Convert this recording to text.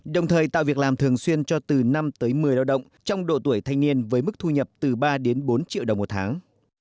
đồng thời tạo việc làm thường xuyên cho từ năm tới một mươi lao động trong độ tuổi thanh niên với mức thu nhập từ ba đến bốn triệu đồng một tháng